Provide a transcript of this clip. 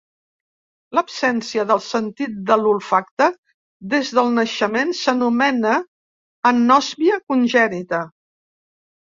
L'absència del sentit de l'olfacte des del naixement s'anomena anòsmia congènita.